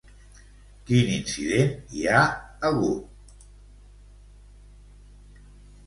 Quin incident hi ha hagut?